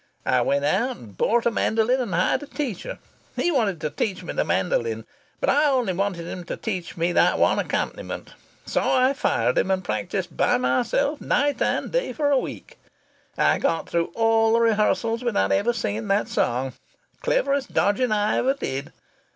I went out and bought a mandolin and hired a teacher. He wanted to teach me the mandolin, but I only wanted him to teach me that one accompaniment. So I fired him, and practised by myself night and day for a week. I got through all the rehearsals without ever singing that song. Cleverest dodging I ever did!